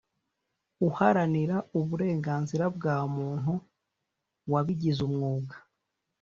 uharanira uburenganzira bwa muntu wabigize umwuga